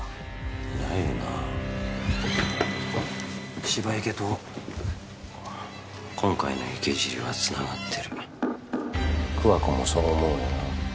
いないよな芝池と今回の池尻はつながってる桑子もそう思うよな？